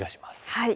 はい。